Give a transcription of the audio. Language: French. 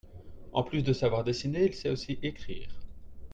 En plus de savoir dessiner il sait aussi écrire.